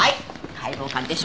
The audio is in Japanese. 解剖鑑定書。